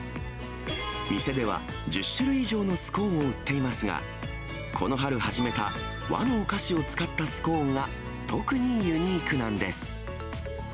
店では１０種類以上のスコーンを売っていますが、この春始めた和のお菓子を使ったスコーンが、特にユニークなんです。